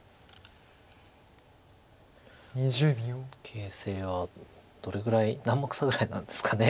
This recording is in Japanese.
形勢はどれぐらい何目差ぐらいなんですかね。